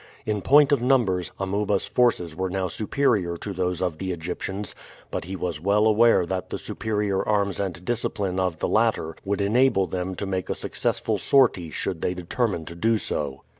In point of numbers Amuba's forces were now superior to those of the Egyptians, but he was well aware that the superior arms and discipline of the latter would enable them to make a successful sortie should they determine to do so.